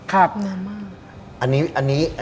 อเรนนี่นานมาก